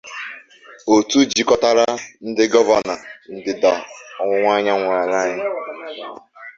òtù jíkọtára ndị Gọvanọ ndịda-ọwụwa anyanwụ ala anyị